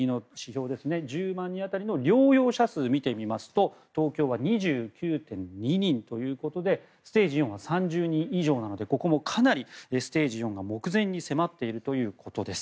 人当たりの療養者数を見てみますと東京は２９．２人ということでステージ４は３０人以上なのでここもかなりステージ４が目前に迫っているということです。